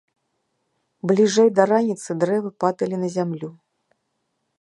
Бліжэй да раніцы дрэвы падалі на зямлю.